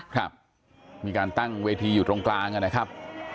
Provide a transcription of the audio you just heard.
ครับมีการตั้งเวทีอยู่ตรงกลางนะครับ